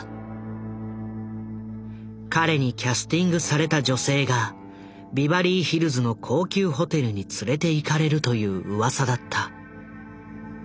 彼にキャスティングされた女性がビバリーヒルズの高級ホテルに連れていかれるといううわさだった。